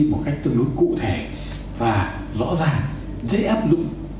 một cách tương đối cụ thể và rõ ràng dễ áp dụng